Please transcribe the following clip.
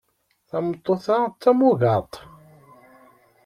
Tameṭṭut-a d tamugaḍt.